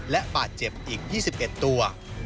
และบาดเจ็บอีก๒๑ตัว